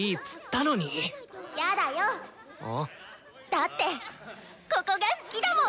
だってここが好きだもん。